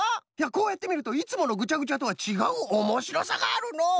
こうやってみるといつものぐちゃぐちゃとはちがうおもしろさがあるのう。